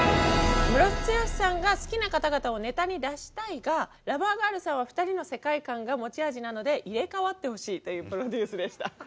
ムロツヨシさんが好きな方々をネタに出したいがラバーガールさんは２人の世界観が持ち味なので入れ代わってほしいというプロデュースでした。